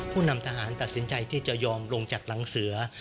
ผู้นำทหารตัดสินใจที่จะยอมลงจากหลังเสือ